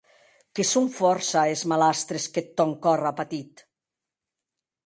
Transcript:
Que son fòrça es malastres qu’eth tòn còr a patit.